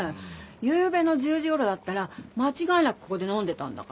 ゆうべの１０時頃だったら間違いなくここで飲んでたんだから。